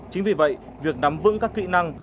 chính vì vậy việc nắm vững các kỹ năng